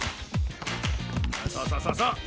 そうそうそうそうそう！